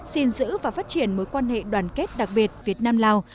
xin giữ và phát triển mối quan hệ đoàn kết đặc biệt việt nam lào